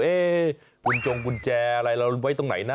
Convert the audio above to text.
คุณจงกุญแจอะไรเราไว้ตรงไหนนะ